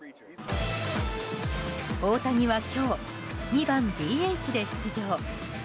大谷は今日、２番ＤＨで出場。